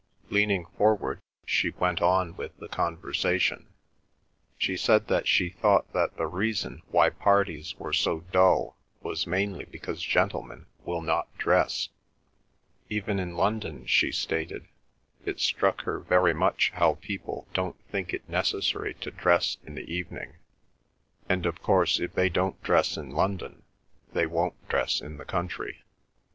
Leaning forward, she went on with the conversation. She said that she thought that the reason why parties were so dull was mainly because gentlemen will not dress: even in London, she stated, it struck her very much how people don't think it necessary to dress in the evening, and of course if they don't dress in London they won't dress in the country.